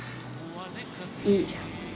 いいじゃん。